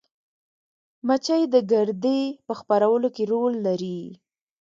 مچۍ د ګردې په خپرولو کې رول لري